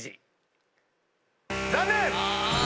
残念！